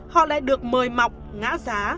họ lại được mời mọc ngã giá